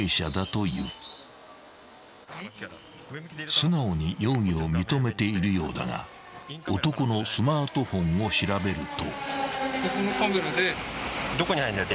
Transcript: ［素直に容疑を認めているようだが男のスマートフォンを調べると］